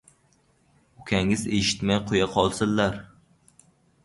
— Ukangiz eshitmay qo‘ya qolsinlar.